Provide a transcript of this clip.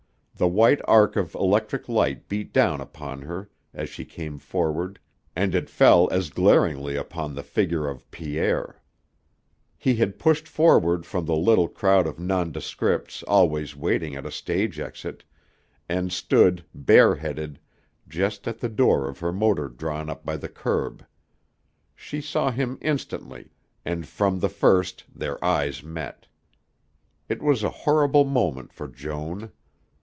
The white arc of electric light beat down upon her as she came forward and it fell as glaringly upon the figure of Pierre. He had pushed forward from the little crowd of nondescripts always waiting at a stage exit, and stood, bareheaded, just at the door of her motor drawn up by the curb. She saw him instantly and from the first their eyes met. It was a horrible moment for Joan.